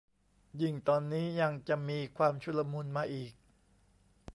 ยิ่งตอนนี้ยังจะมีความชุลมุนมาอีก